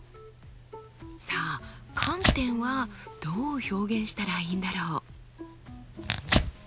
さあ観点はどう表現したらいいんだろう？